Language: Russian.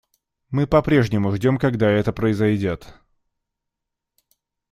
Мы по-прежнему ждем, когда это произойдет.